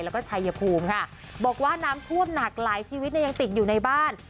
แล้วก็ชัยภูมิค่ะบอกว่าน้ำท่วมหนักหลายชีวิตเนี่ยยังติดอยู่ในบ้าน